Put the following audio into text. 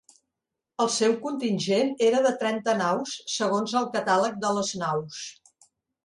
El seu contingent era de trenta naus, segons el Catàleg de les naus.